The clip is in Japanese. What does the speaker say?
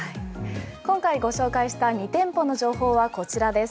今回ご紹介した２店舗の情報はこちらです。